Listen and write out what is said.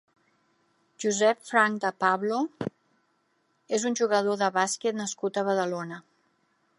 Josep Franch de Pablo és un jugador de bàsquet nascut a Badalona.